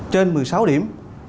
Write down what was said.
trên một mươi sáu điểm